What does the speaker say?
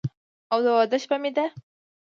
او د واده شپه مې ده